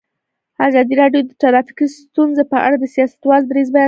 ازادي راډیو د ټرافیکي ستونزې په اړه د سیاستوالو دریځ بیان کړی.